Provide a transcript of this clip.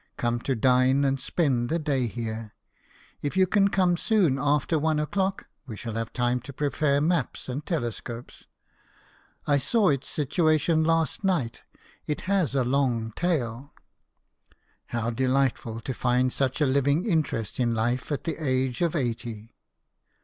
Come to dine and spend the day here. If you can come soon after one o'clock, we shall have time to prepare maps and telescopes. I saw its situa tion last night. It has a long tail." How delightful to find such a living interest in life at the age of eighty